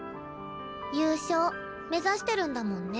優勝目指してるんだもんね。